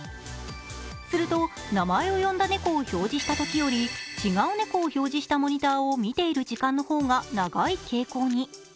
すると、名前を呼んだ猫を表示したときより違う猫を表示したモニターを見ている時間の方が長い傾向に。